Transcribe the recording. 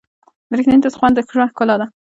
د ریښتیني دوست خوند د ژوند ښکلا ده.